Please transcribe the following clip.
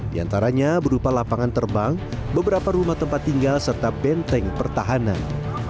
di antaranya berupa lapangan terbang beberapa rumah tempat tinggal serta benteng pertahanan